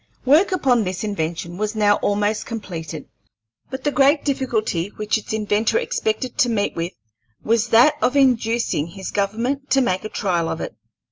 Work upon this invention was now almost completed, but the great difficulty which its inventor expected to meet with was that of inducing his government to make a trial of it.